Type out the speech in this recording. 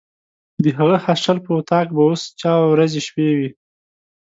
د هغه هاسټل په وطاق به اوس چا ورځې شپې وي.